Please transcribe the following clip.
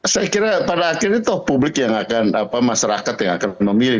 saya kira pada akhirnya toh publik yang akan masyarakat yang akan memilih